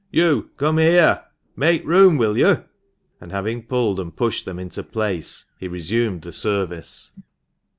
" You come here ; make room, will you ?" and having pulled and pushed them into place, he resumed the service.